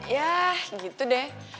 yah gitu deh